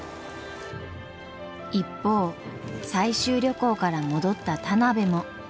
一方採集旅行から戻った田邊も。